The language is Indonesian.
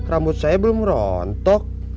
rambut saya belum rontok